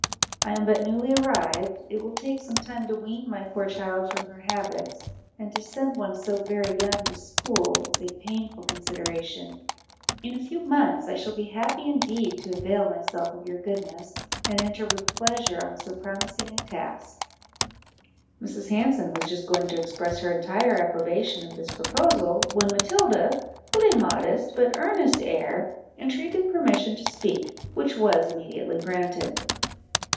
I am but newly arrived; it will take some time to wean my poor child from her habits; and to send one so very young to school, is a painful consideration; in a few months I shall be happy indeed to avail myself of your goodness, and enter with pleasure on so promising a task." Mrs. Hanson was just going to express her entire approbation of this proposal, when Matilda, with a modest, but earnest air, entreated permission to speak, which was immediately granted.